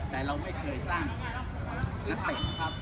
แต่เราไม่เคยสร้างนักเตะนะครับ